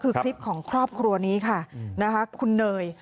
คือคลิปของครอบครัวนี้ค่ะนะคะคุณเนย